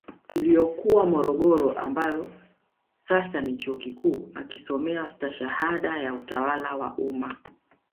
Iliyokuwa morogoro ambayo sasa ni chuo kikuum akisomea stashahada ya utawala wa umma